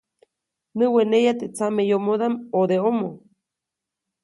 Näweneya teʼ tsameyomodaʼm ʼodeʼomo.